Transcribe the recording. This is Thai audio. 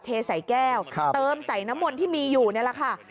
เทใส่แก้วเติมใส่น้ำมนต์ที่มีอยู่นี่แหละค่ะ